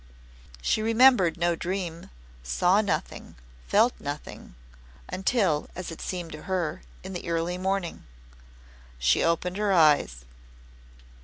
She remembered no dream, saw nothing, felt nothing until, as it seemed to her, in the early morning, she opened her eyes.